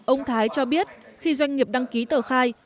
ông thái cho biết khi doanh nghiệp đăng ký tờ khai